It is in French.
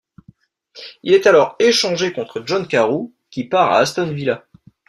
Il est alors échangé contre John Carew qui part à Aston Villa.